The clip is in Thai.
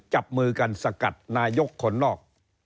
จับมือกันสกัดนายกคนนอก